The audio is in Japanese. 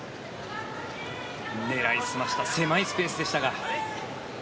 狙い澄ました狭いスペースでしたが。